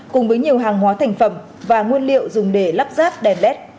cùng với nhiều hàng hóa thành phẩm và nguyên liệu dùng để lắp ráp đèn led